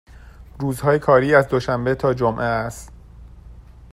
روزهای کاری از دوشنبه تا جمعه است.